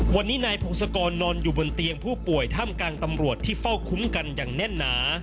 วันนี้นายพงศกรนอนอยู่บนเตียงผู้ป่วยท่ามกลางตำรวจที่เฝ้าคุ้มกันอย่างแน่นหนา